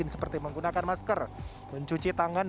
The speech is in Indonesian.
seperti menggunakan masker mencuci tangan